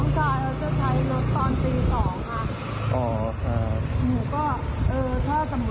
จะได้ซื้อนมปุ๊บและเติมน้ำมัน